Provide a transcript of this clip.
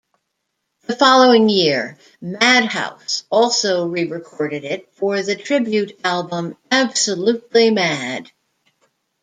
The following year, Mad'House also re-recorded it for the tribute album "Absolutely Mad".